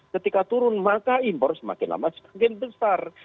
ketika turun maka impor semakin lama semakin besar